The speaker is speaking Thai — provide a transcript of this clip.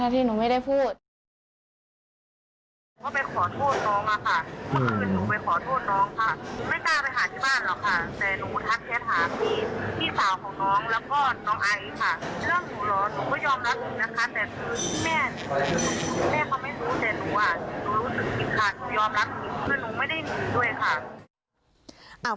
เพราะหนูไม่ได้มีด้วยค่ะ